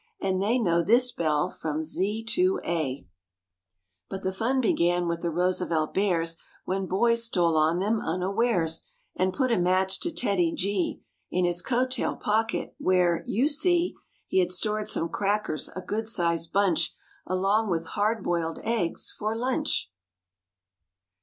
And they know this bell from Z to A. TEDDY B—His paw 'm MORE ABOUT THE ROOSEVELT BEARS But the fun began with the Roosevelt Bears When boys stole on them unawares And put a match to TEDDY G In his coat tail pocket, where, you see, He had stored some crackers, a good sized bunch. Along with hard boiled eggs for lunch.